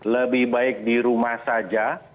lebih baik di rumah saja